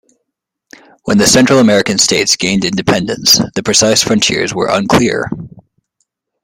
When the Central American states gained independence, the precise frontiers were unclear.